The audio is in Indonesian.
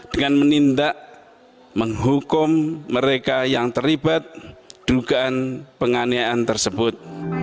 dengan menindak menghukum mereka yang terlibat dugaan penganiayaan tersebut